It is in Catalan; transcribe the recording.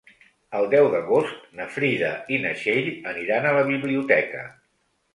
El deu d'agost na Frida i na Txell aniran a la biblioteca.